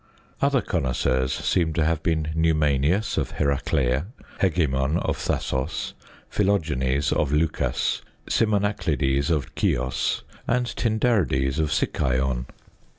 Other connoisseurs seem to have been Numenius of Heraclea, Hegemon of Thasos, Philogenes of Leucas, Simonaclides of Chios, and Tyndarides of Sicyon.